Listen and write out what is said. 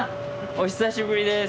お久しぶりです。